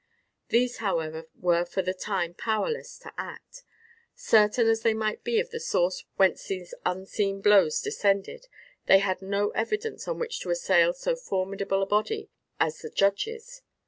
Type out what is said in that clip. These, however, were for the time powerless to act. Certain as they might be of the source whence these unseen blows descended, they had no evidence on which to assail so formidable a body as the judges.